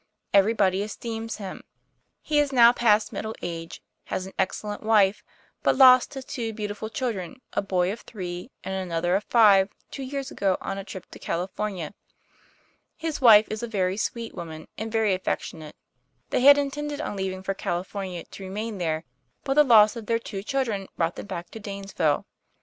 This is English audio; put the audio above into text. Everybody esteems him. He is now past middle age, has an excellent wife, but lost his two beautiful children, a boy of three and another of five, two years ago on a trip to California. His wife is a very sweet woman and very affectionate. They had intended on leaving for California to remain there; but the loss of their two children brought them back to Danesville.